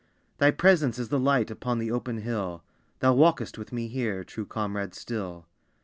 Thy presence is the light Upon the open hill. Thou walkest with me here, True comrade still.